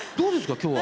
今日は。